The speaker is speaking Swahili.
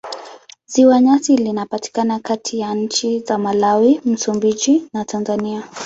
Ziwa Nyasa linapatikana kati ya nchi za Malawi, Msumbiji na Tanzania.